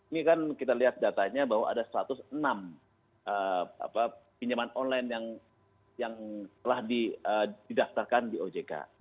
ini kan kita lihat datanya bahwa ada satu ratus enam pinjaman online yang telah didaftarkan di ojk